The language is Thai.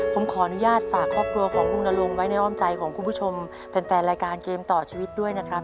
ผมขออนุญาตฝากครอบครัวของคุณนรงค์ไว้ในอ้อมใจของคุณผู้ชมแฟนรายการเกมต่อชีวิตด้วยนะครับ